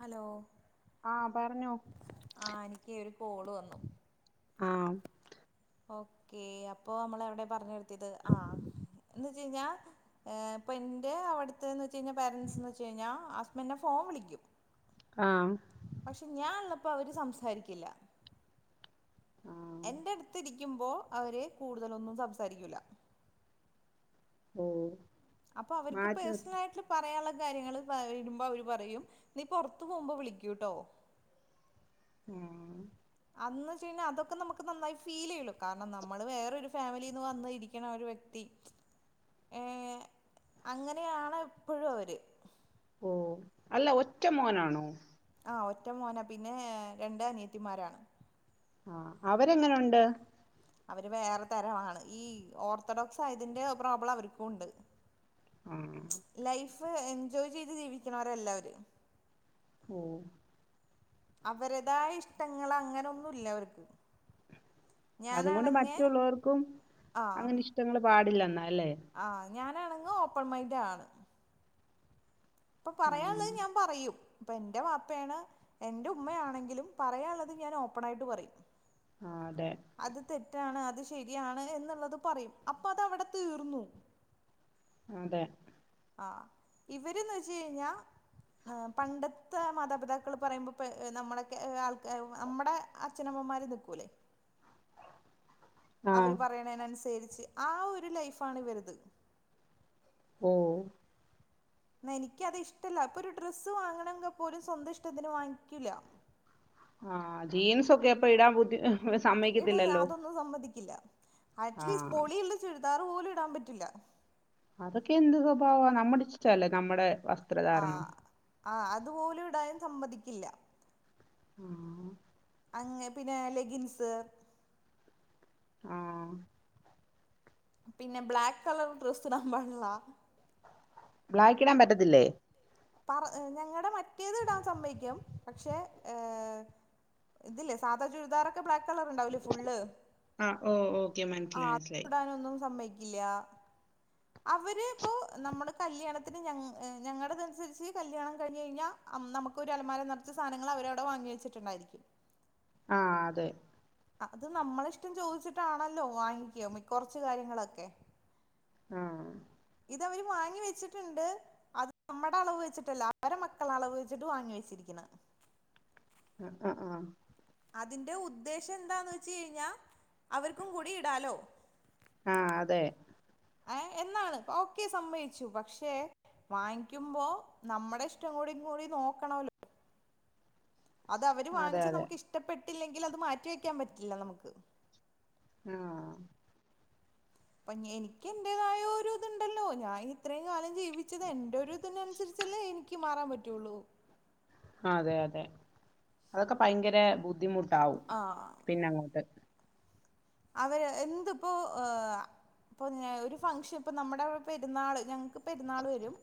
Hello ആഹ് പറഞ്ഞോ ആ എനിക്ക് ഒരു കോള് വന്നു ആഹ് ഓക്കേ അപ്പൊ നമ്മള് എവിടെ പറഞ്ഞ് നിർത്തിയത് ആഹ് എന്ന് വച്ച് കഴിഞ്ഞാ ഏഹ് ഇപ്പോ എൻ്റെ അവ്ടുത്തെ എന്ന് വച്ച് കഴിഞ്ഞാൽ പാരൻറ്സ് എന്ന് വെച്ച് കഴിഞ്ഞാ ഹസ്ബൻഡിനെ ഫോൺ വിളിക്കും ആഹ് പക്ഷെ ഞാൻള്ളപ്പോ അവര് സംസാരിക്കില്ല ആഹ് എന്റെ അടുത്ത് രിക്കുമ്പോ അവര് കൂടുതലൊന്നും സംസാരിക്കൂല്ല ഉം അപ്പൊ അവർക്ക് പേഴ്‌സണലായിട്ട് പറയാനുള്ള കാര്യങ്ങള് പറയുമ്പോ അവര് പറയും നീ പുറത്തു പോകുമ്പോ വിളിക്കൂട്ടോ മ് അന്ന് വെച്ച് കഴിഞ്ഞാൽ അതൊക്കെ നമുക്ക് നന്നായി ഫീൽ ചെയ്യുല്ലോ കാരണം നമ്മള് വേറെൊരു ഫാമിലീന്ന് വന്ന് ഇരിക്കണ ഒരു വ്യക്തി ഏഹ് അങ്ങനെയാണ് എപ്പോഴും അവര് ഓഹ് അല്ല ഒറ്റ മോനാണോ ആഹ് ഒറ്റ മോന പിന്നെ രണ്ട് അനിയത്തിമാരാണ് ആഹ് അവരെങ്ങനൊണ്ട് അവര് വേറെ തരമാണ് ഈ ഓർത്തഡോക്സ് ആയതിൻ്റെ പ്രോബ്ലം അവർക്കും ഉണ്ട് ആഹ് ലൈഫ് എൻജോയ് ചെയ്ത് ജീവിക്കണവരല്ല അവര് ഓ അവരതായ ഇഷ്ടങ്ങള് അങ്ങനൊന്നുല്ല അവർക്ക് അതുകൊണ്ട് ഞാനാണെങ്കെ മറ്റുള്ളവർക്കും ആഹ് അങ്ങനിഷ്ടങ്ങള് പാടില്ലെന്നാ അല്ലേ. ആഹ് ഞാനാണങ്ങ ഓപ്പൺ മൈന്റാണ് അപ്പൊ ആഹ് പറയാൻള്ളത് ഞാൻ പറയും. ഇപ്പൊ എന്റെ വാപ്പേണ് എൻ്റെ ഉമ്മയാണെങ്കിലും, പറയാൻള്ളത് ഞാൻ ഓപ്പണായിട്ട് പറയും. ആഹ് അതെ. അത് തെറ്റാണ് അത് ശരിയാണ് എന്ന്ള്ളത് പറയും അപ്പതഅവടെ തീർന്നു. അതെ ആഹ് ഇവ്ര്ന്ന് വെച്ച് കഴിഞ്ഞാ ഏ പണ്ടത്തെ മാതാപിതാക്കൾ പറയുമ്പൊ പ്പ ഏ ന്നമ്മളെക്കെ ഏ ആൾക്കാര് നമ്മടെ. അച്ഛനമ്മമാര് ന്നിക്കൂലെ അവര് ആഹ് പറയണേനന്സരിച്ച് ആ ഒരു ലൈഫാണ് ഇവരത്. ഓ എന്നെനിക്കത് ഇഷ്ടല്ല ഇപ്പൊരു ഡ്രസ്സ് വാങ്ങണങ്ക പോലും സ്വന്തം ഇഷ്ടത്തിന് വാങ്ങിക്കില്ല. ആഹ് ജീൻസൊക്കെ അപ്പെ ഇടാൻ ബുധി ഹ് ഇട് അതൊന്നും സമ്മതിക്കില്ല അറ്റ്ലീസ്റ്റ് ആഹ് പൊളിയിള്ള ചുരിദാറ് പോലും ഇടാൻ പറ്റുല്ല. അതൊക്കെ എന്ത് സ്വഭാവാ ന്നമ്മടെ ഇഷ്ടല്ലെ ന്നമ്മടെ വസ്- ആഹ് ആ അതുപോലും ഇടാൻ സമ്മതിക്കില്ല. ഉം അങ്ങനെ പിനെ ലെഗിൻസ്. ആഹ് പിന്നെ ബ്ലാക്ക് കളർ ഡ്രെസ്സ്ടാ പാട്ളാ. ബ്ലാക്കിടാൻ പറ്റത്തില്ലേ? പറ ഞങ്ങടെ മറ്റേത്ടാൻ സമ്മതിക്കും പക്ഷെ ഏഹ്. ഇതില്ലേ സാധാ ചുരിദാറൊക്കെ ബ്ലാക്ക് കളറ്ണ്ടാവില്ലെ ഫുള്ള്. ആഹ് ഓ ഓക്കെ മനസ്സിലായി ആഹ് മനസ്സിലായി അത് ടാനൊന്നും സമ്മെയ്ക്കില്ലാ. അവ്ര് ഇപ്പോ നമ്മള് കല്യാണത്തിന് ഞങ്ങ് ഞങ്ങടെതനുസരിച്ച് കല്യാണം കഴിഞ്ഞഴിഞ്ഞാ- ന്നം ന്നമുക്കൊരു അലമാര നറച്ച് സാനങ്ങള് അവരവടെ വാങ്ങി വെച്ചിട്ട്ണ്ടായിരിക്കും. ആഹ് അതെ അത് നമ്മളിഷ്ടം ചോയ്ച്ചിട്ടാണല്ലോ വാങ്ങിക്ക മിക്ക കൊറച്ച് കാര്യങ്ങളൊക്കെ. ആഹ് ഇതവര് വാങ്ങി വെച്ചിട്ട്ണ്ട്. അത് നമ്മടെ അളവ് വെച്ചിട്ടല്ല അവര മക്കള അളവ് വെച്ചിട്ട് വാങ്ങി വെച്ചിരിക്ക്ണ്. അ അ ആഹ് അതിന്റെ ഉദ്ദേശം എന്താന്ന് വെച്ച് കഴിഞ്ഞാ അവര്ക്കും കൂടി ഇടാലോ. ആഹ് അതെ ഏ എന്നാണ് ഓക്കെ സമ്മയ്ച്ചു പക്ഷെ. വാങ്ങിക്കുമ്പോ നമ്മടെ ഇഷ്ടം കൂടി കൂടി ന്നോക്കണല്ലോ? അത് അവര് അതെ വാങ്ങിച്ച് അതെ ന്നമ്ക്ക് ഇഷ്ടപ്പെട്ടില്ലെങ്കിലത് മാറ്റി വെക്കാൻ പറ്റില്ല ന്നമ്ക്ക്. ആഹ് പ്പ്ഞ്ഞെനിക്ക് എന്റേതായൊരു ഇതുണ്ടല്ലോ ഞാൻ ഇത്രയും കാലം ജീവിച്ചത് എന്റൊരു- ഇതിനൻസരിച്ചല്ലേ എനിക്ക് മാറാൻ പറ്റൊള്ളൂ. അതെ അതെ അതൊക്കെ ഭയങ്കരെ ബുദ്ധിമുട്ടാവും. അ ആ പിനങ്ങോട്ട്. അവര് എന്ത്‌പ്പോ ഏ ഇപ്പ്‌ ഞ് ഒരു ഫംഗഷൻ ഇപ്പൊ ന്നമ്മടെ അവടെ പെര്ന്നാള് ഞങ്ങ്ക്ക്- പെരുന്നാൾ വരും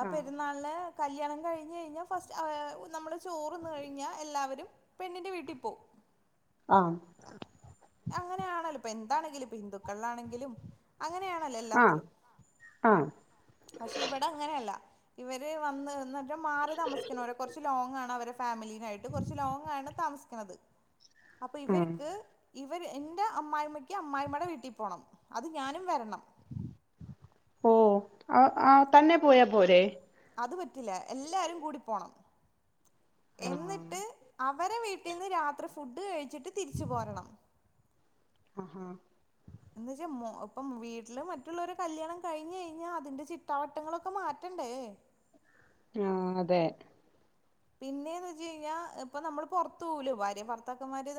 ആ ആഹ് പെരുന്നാളിലെ കല്യാണം കഴിഞ്ഞ് കഴിഞ്ഞാ ഫസ്റ്റ് നമ്മള് ചോറ് തിന്ന് കഴിഞ്ഞാ എല്ലാവരും പെണ്ണിന്റെ വീട്ടി പോവും ആഹ് അങ്ങനെയാണല്ലോ ഇപ്പൊ എന്താണെങ്കിലും ഇപ്പ ഹിന്ദുക്കളിൽ ആണെങ്കിലും അങ്ങനെയാണല്ലോ ആഹ് എല്ലാത്തിലും ആഹ് പക്ഷെ ഇവിടെ അങ്ങനെയല്ല ഇവര് വന്ന് എന്നുവെച്ചാൽ മാറി താമസിക്കുന്നവരാ കുറച്ച് ലോങ് ആണ് അവരെ ഫാമിലീനെയായിട്ട് കുറച്ച് ലോങ്ങാണ് താമസിക്കുന്നത് അപ്പോൾ ആഹ് ഇവര്ക്ക് ഇവര് എൻ്റെ അമ്മായിയമ്മക്ക് അമ്മായിയമ്മയുടെ വീട്ടിൽ പോണം അത് ഞാനും വരണം ഓഹ് ആഹ് ആഹ് തന്നെ പോയാ പോരെ അത് പറ്റില്ല എല്ലാരും കൂടി പോണം ആഹ് എന്നിട്ട് അവരെ വീട്ടീന്ന് രാത്രി ഫുഡ് കഴിച്ചിട്ട് തിരിച്ചു പോരണം അഹാ എന്ന്വെച്ചാ ഇപ്പം വീട്ടില് മറ്റുള്ളവര് കല്യാണം കഴിഞ്ഞ് കഴിഞ്ഞാ അതിന്റെ ചിട്ടാവട്ടങ്ങളൊക്കെ മാറ്റണ്ടേ ആഹ് അതെ പിന്നെയെന്നു വെച്ചു കഴിഞ്ഞാ ഇപ്പ നമ്മൾ പുറത്തു പോവൂലോ ഭാര്യാ ഭർത്താക്കന്മാര്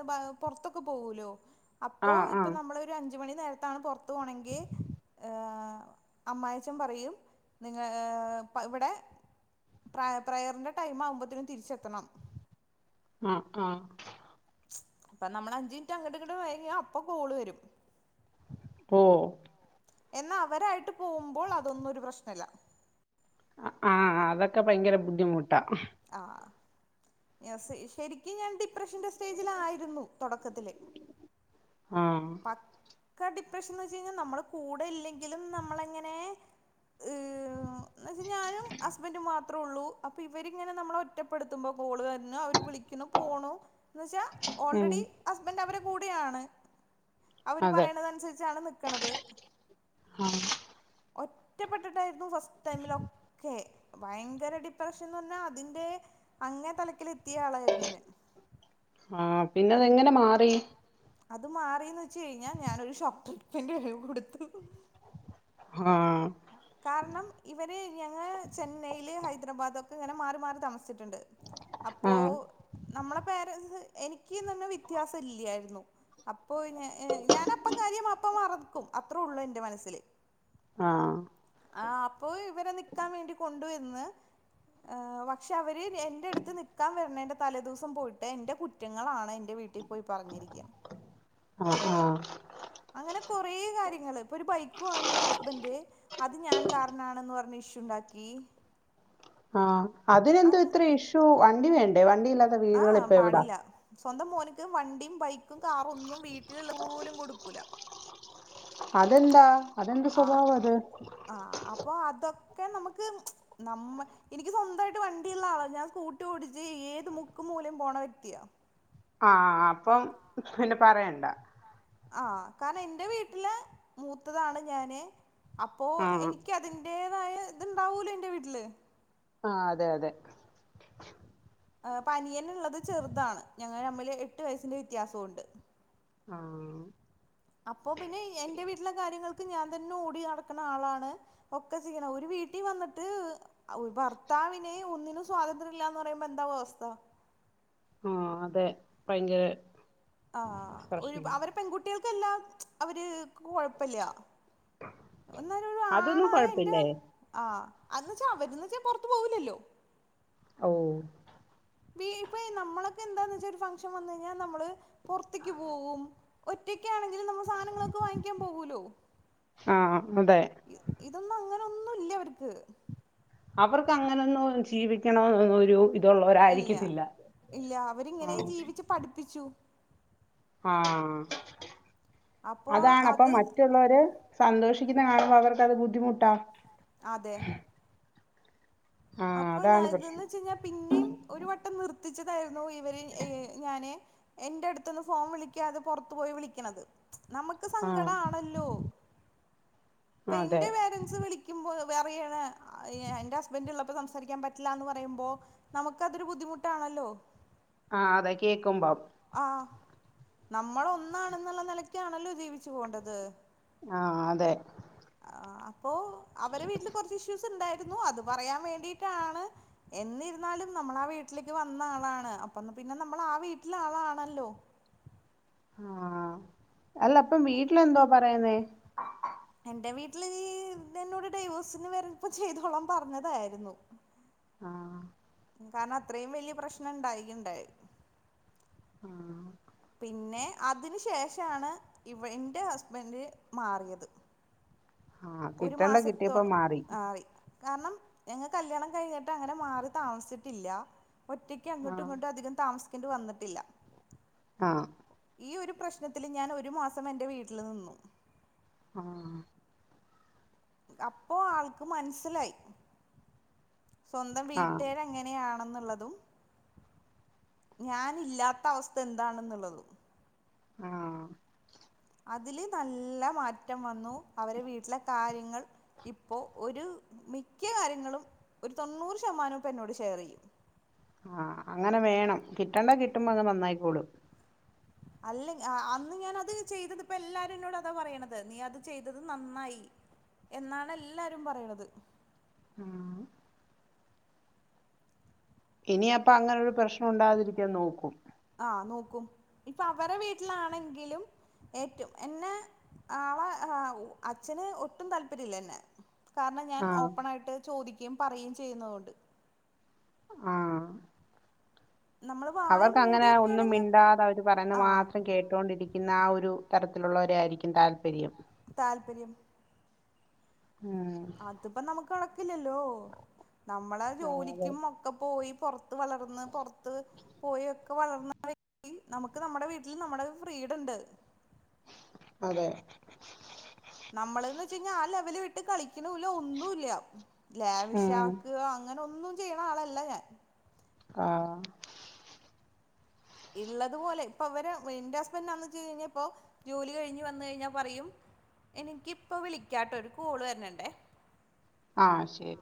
പൊറത്തൊക്കെ പോവൂലോ അപ്പോ ആഹ് ഇപ്പൊ ആഹ് നമ്മളൊരു അഞ്ചു മണി നേരത്താണ് പൊറത്തു പോണെങ്കി അമ്മായിയച്ഛൻ പറയും നിങ്ങള് ഇവിടെ പ്ര പ്രയറിന്റെ ടൈം ആവുമ്പത്തേനും തിരിച്ചെത്തണം ആഹ് ആഹ് ഇപ്പ നമ്മൾ അഞ്ച് മിനിറ്റ് അങ്ങട് ഇങ്ങട് വൈകിയാ അപ്പൊ കോള് വരും ഓഹ് എന്നാ അവരായിട്ട് പോകുമ്പോൾ അതൊന്നും ഒരു പ്രശ്നല്ല ആഹ് അതൊക്കെ ഭയങ്കര ബുദ്ധിമുട്ടാ ആഹ് ശരിക്കും ഞാൻ ഡിപ്രഷന്റെ സ്റ്റേജിലായിരുന്നു തൊടക്കത്തില് ആഹ് പക്കാ ഡിപ്രഷൻ എന്ന് വെച്ചു കഴിഞ്ഞാൽ നമ്മുടെ കൂടെയില്ലെങ്കിലും നമ്മളെങ്ങനെ എന്നു വെച്ചാൽ ഞാനും ഹസ്ബൻഡും മാത്രേ ഉള്ളൂ അപ്പ ഇവരിങ്ങനെ നമ്മളെ ഒറ്റ് റ്റപ്പെടുത്തുമ്പോ കോൾ വരണു അവര് വിളിക്കുന്നു പോണു എന്നുവെച്ച ഉം ഓൾറെഡി ഹസ്ബൻഡ് അവരെ കൂടെയാണ് അവര് അതെ പറയണതനുസരിച്ചാണ് നിക്കണത് ആഹ് ഒറ്റപ്പെട്ടിട്ടായിരുന്നു ഫസ്റ്റ് ടൈമിൽ ഒക്കെ ഭയങ്കര ഡിപ്രഷൻ എന്ന് പറഞ്ഞാൽ അതിന്റെ അങ്ങേ തലക്കലെത്തിയ ആളായിരുന്നു ഞാൻ ആഹ് പിന്നതെങ്ങനെ മാറി അത് മാറീന്ന് വെച്ചു കഴിഞ്ഞാ ഞാനൊരു ഷോക്ക് ട്രീറ്റ്മെൻ്റ് കൊടുത്തു ആഹ് കാരണം ഇവര് ഞങ്ങ ചെന്നൈയില് ഹൈദരാബാദൊക്കെ ഇങ്ങനെ മാറി മാറി താമസിച്ചിട്ടുണ്ട് അപ്പോ ആഹ് നമ്മളെ പേരൻസ് എനിക്ക്ന്ന്‌റഞ്ഞ വ്യത്യാസം ഇല്യാരുന്നു അപ്പോ ഞ ഞാൻ അപ്പം കാര്യം അപ്പം മറക്കും അത്രേ ഉള്ളൂ എൻറെ മനസ്സില് ആഹ് ആഹ് അപ്പൊ ഇവരെ നിക്കാൻ വേണ്ടി കൊണ്ടുചെന്ന് പക്ഷെ അവര് എൻ്റെ അടുത്ത് നിക്കാൻ വരണേന്റെ തലേ ദിവസം പോയിട്ട് എൻ്റെ കുറ്റങ്ങളാണ് എൻ്റെ വീട്ടി പോയി പറഞ്ഞിരിക്ക ആഹ് ആഹ് അങ്ങനെ കൊറേ കാര്യങ്ങള് ഇപ്പൊ ഒരു ബൈക്ക് വാങ്ങിയ ഹസ്ബൻഡ് അത് ഞാൻ കാരണാണെന്ന് പറഞ്ഞ് ഇഷ്യുണ്ടാക്കി ആഹ് അതിനെന്തോ ഇത്ര ഇഷ്യൂ വണ്ടി വേണ്ടേ വണ്ടി ഇല്ലാത്ത വീടുകൾ ആഹ് ഇപ്പ എവിട പാടില്ല സ്വന്തം മോനക്ക് വണ്ടിയും ബൈക്കും കാറൊന്നും വീട്ടിലുള്ള പോലും കൊടുക്കൂല അതെന്താ അതെന്ത് ആഹ് സ്വഭാവ അത് ആഹ് അപ്പൊ അതൊക്കെ നമുക്ക് നമ്മ എനിക്ക് സ്വന്തമായിട്ട് വണ്ടിയുള്ള ആള ഞാൻ സ്കൂട്ടി ഓടിച്ച് ഏത് മു ക്ക് മൂലേം പോണ വ്യക്തിയ ആഹ അപ്പം പിന്നെ പറയണ്ട ആഹ് കാരണം എന്റെ വീട്ടില് മൂത്തതാണ് ഞാന് അപ്പോ ആഹ് എനിക്ക് അതി ന്റെതായ ഇത്ണ്ടാവൂലെ ൻ്റെ വീട്ടില് ആഹ് അതെ അതെ അനിയന്ള്ളത് ചെറ്താണ് ഞങ്ങൾ തമ്മില് എട്ടു വയസ്സിന്റെ വ്യത്യാസൂണ്ട് ആഹ് അപ്പൊ പിന്നെ എന്റെ വീട്ടിലെ കാര്യങ്ങൾക്ക് ഞാൻ തന്നെ ഓടി നടക്കണ ആളാണ് ഒക്കെ ചെയ്യണം ഒരു വീട്ടിൽ വന്നിട്ട് ഒ ഭർത്താവിന് ഒന്നിനും സ്വാതന്ത്ര്യം ഇല്ലാന്ന് പറയുമ്പോ എന്താവും അവസ്ഥ ഉം അതെ ഭയങ്കരെ ആ ഒരു അവരെ പെൺകുട്ടികൾക്കെല്ലാം അവര് കൊഴപ്പില്ല ന്നാലും ഒരു അതൊന്നും ആണായ എന്റെ കൊഴപ്പില്ലേ ആഹ് അന്ന്ച്ചാ അവരന്ന്ച്ചാ പുറത്തു പോവില്ലല്ലോ ഓ വി ഇപ്പ നമ്മളൊക്കെ എന്താന്ന് വെച്ച ഒര് ഫംഗഷൻ വന്ന് കഴിഞ്ഞാൽ നമ്മള് പുറത്തേക്ക് പോവും ഒറ്റക്കാണെങ്കിലിൽ നമ്മൾ സാധനങ്ങളൊക്കെ വാങ്ങിക്കാൻ പോകൂലോ ആഹ് അതെ ഇതൊന്നും അങ്ങനെന്നുംല്ല അവർക്ക് അവർക്ക് അങ്ങനൊന്നും ജീവിക്കണ ഒരു ഇല്ല ഇതള്ളവരായിരിക്കത്തില്ല ഇല്ല അവരിങ്ങനെ ഉം ജീവിച്ച് പഠിപ്പിച്ചു ആഹ് അപ്പോ അതാണ് അപ്പൊ അത് മറ്റുള്ളവര് സന്തോഷിക്കുന്ന കാണുമ്പോ അവർക്കത് ബുദ്ധിമുട്ടാ അതെ ആഹ് അപ്പൊ അതാണ് പ്രശ്നം ഇതന്ന് വച്ച് കഴിഞ്ഞാൽ പിന്നെയും ഒരു വട്ടം നിർത്തിച്ചതായിരുന്നു ഇവര് ഞാന് എന്റെ അടുത്തന്ന് ഫോൺ വിളിക്കാതെ പുറത്തു പോയി വിളിക്കണത് നമുക്ക് ക് ആഹ് സങ്കടാണല്ലോ പ്പോ അതെ ഇൻ്റെ പേരൻസ് വിളി കുമ്പോ പറയാണ് എന്റെ ഹസ്ബൻഡ് ഉള്ള പ്പൊ സംസാരിക്കാൻ പറ്റില്ല എന്ന് പറയുമ്പോ നമുക്കതൊരു ബുദ്ധിമുട്ടാണല്ലോ ആഹ് അതെ കേക്കുമ്പോ ആഹ് നമ്മള ഒന്നാണെന്നുള്ള നിലക്കാണല്ലോ ജീവിച്ചു പോണ്ടത് ആഹ് അതെ ആ അപ്പോ അവരെ വീട്ടില് കുറച്ച് ഇഷ്യൂസ് ഇണ്ടായിരുന്നു അത് പറയാൻ വേണ്ടിയിട്ടാണ് എന്നിരുന്നാലും നമ്മള് ആ വീട്ടിലേക്ക് വന്ന ആളാണ് അപ്പന്ന പിന്നെ നമ്മൾ ആ വീട്ടിലെ ആളാണല്ലോ അല്ല പ്പം വീട്ടില് എന്തോ പറയുന്നേ? എന്റെ വീട്ടില് എന്നോട് ഡൈവോഴ്സിന് വരുമ്പോ ചെയ്തോളൻ പറഞ്ഞതായിരുന്നു. ആഹ് കാരണം അത്രയും വലിയ പ്രശ്നം ഇണ്ടായിണ്ടായി ഉം പിന്നെ അതിന് ശേഷാണ് ഇവ എന്റെ ഹസ്ബൻഡ് മാറിയത്. ആഹ് ഒരു കിട്ടണ്ട കിട്ടിയപ്പോ മാസത്തോളം മാറി ആയി. കാരണം ഞങ്ങ കല്യാണം കഴിഞ്ഞിട്ട് അങ്ങനെ മാറി താമസിച്ചിട്ടില്ല്യാ ഒറ്റക്ക് ൻക്ക് അങ്ങട്ടും ആഹ് ഇങ്ങട്ടും അധികം താമസിക്കേണ്ടി വന്നിട്ടില്ലാ ആഹ് ഈ ഒരു പ്രശ്നത്തില് ഞാൻ ഒരു മാസം എൻ്റെ വീട്ടില് നിന്നു. ഉം അപ്പോ ആൾക്ക് മൻസ്സിലായി സ്വന്തം ആഹ് വീട്ടാരേ എങ്ങനെയാണെന്നുള്ളതും ഞാൻ ഇല്ലാത്ത അവസ്ഥ എന്താണെന്നുള്ളതും. ആഹ് അതില് നല്ല മാറ്റം വന്നു അവരെ വീട്ടിലെ കാര്യങ്ങൾ ഇപ്പോ ഒരു മിക്ക കാര്യങ്ങളും ഒരു തൊണ്ണൂറ് ശതമാനം ഇപ്പൊ എന്നോട് ഷെയറ് ചെയ്യും. ആഹ് അങ്ങനെ വേണം കിട്ടണ്ടെ കിട്ടുമ്പോ അങ്ങ് നന്നായിക്കോളും. അല്ല ആ അന്ന് ഞാനത് ചെയ്തത് ഇപ്പോ എല്ലാരും എന്നോട് അതാ പറയണത് നീ അത് ചെയ്തത് നന്നായി. എന്നാണ് എല്ലാരും പറയണത്. ഉം ഇനി അപ്പ അങ്ങനെ ഒരു പ്രശ്നം ഉണ്ടാകാതിരിക്കാൻ നോക്കും. ആഹ് നോക്കും ഇപ്പൊ അവരെ വീട്ടിലാണെങ്കിലും ഏറ്റും എന്നെ ആളെ ആഹ് അച്ഛന് ഒട്ടും താല്പര്യല്ലാ എന്നെ കാരണം ഞാൻ ആഹ് ഓപ്പൺ ആയിട്ട് ചോദിക്കേം പറയേം ചെയ്യുന്നതുകൊണ്ട്. ആഹ് നമ്മള് വായ അവർക്ക് അങ്ങനെ ഒന്നും മൂടിയൊക്കെയാണെങ്കിൽ മിണ്ടാതെ അവര് പറയുന്ന ആഹ് മാത്രം കേട്ടോണ്ടിരി ക്കുന്ന ആ ഒരു തരത്തിലുള്ളവരെ ആയിരിക്കും താല്പര്യം. താല്പര്യം ഉം അതിപ്പം നമ്മക്ക് നടക്കില്ലല്ലോ നമ്മളെ ആഹ് അതെ ജോലിക്കും മക് പോയി പൊറത്ത് വളർന്ന് പൊറത്ത് പോയി ഒക്കെ വളർന്ന വ്യക്തി [unintelligible] നമക്ക് നമ്മടെ വീട്ടിൽ നമ്മടെ ഫ്രീഡണ്ട് അതെ നമ്മള്ന്ന് വെച്ച് കഴിഞ്ഞാ ആ ലെവല് വിട് ട്ട് കളിക്കണൂല്യ ഒന്നുല്ല ഉം ലാവിഷാക്കാ അങ്ങനെ ഒന്നും ചെയ്യണ ആളല്ല ഞാൻ. ആഹ് ഇള്ളത് പോലെ ഇപ്പൊ ഇവരെ എന്റെ ഹസ്ബൻ്റ് [unintelligible] ജോലി കഴിഞ്ഞ് വന്ന് കഴിഞ്ഞാ പറയും എനിക്കിപ്പോ വിളിക്കാട്ടോ ഒരു കോള് വെര്ന്നുണ്ടെ ആഹ് ശരി